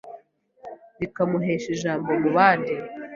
rikamuhesha ijambo mu bandi.